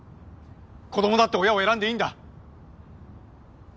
子どもだって親を選んでいいんだ。